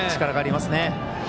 力がありますね。